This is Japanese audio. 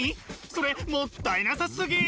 それもったいなさすぎ！